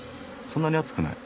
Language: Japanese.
そんなに熱くない。